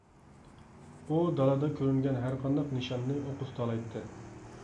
ئۇ دالادا كۆرۈنگەن ھەرقانداق نىشاننى ئوققا تۇتالايتتى.